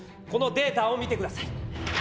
このデータを見てください。